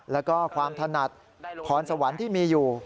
แล้วก็ความถนัดพรสวรรค์ที่มีอยู่